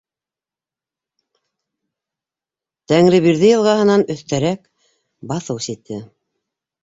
Тәңребирҙе йылғаһынан өҫтәрәк... баҫыу сите...